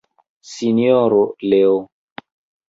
Sinjoro Leo.